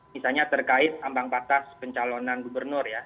misalnya terkait ambang batas pencalonan gubernur ya